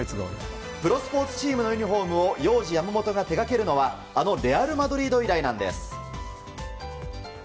プロスポーツチームのユニホームをヨウジヤマモトが手掛けるのはあのレアル・マドリード以来なんです。